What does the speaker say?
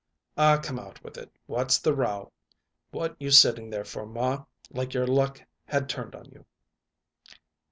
"Aw, come out with it what's the row? What you sitting there for, ma, like your luck had turned on you?"